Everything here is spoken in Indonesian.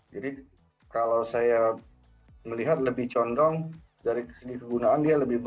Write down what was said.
jadi kalau saya melihat lebih condong dari segi kegunaan